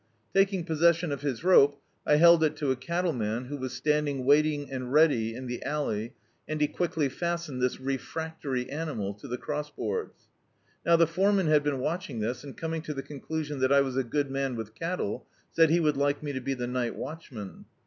Taking possessicpn of his rope, I held it to a cattle man, who was standing waiting and ready in the alley, and he quickly fastened this refractory animal to the crossboards. Now the foreman bad been watching this, and coming to the conclusion that I was a good man with cattle, said he would like me to be the night watchman.